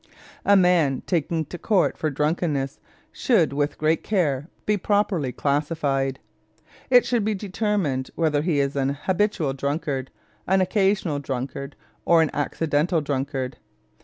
A man taken to court for drunkenness should with great care be properly classified. It should be determined whether he is an habitual drunkard, an occasional drunkard, or an accidental drunkard.